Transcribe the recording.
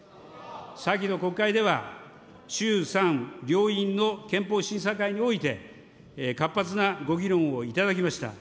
先の国会では、衆参両院の憲法審査会において、活発なご議論をいただきました。